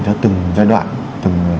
cho từng giai đoạn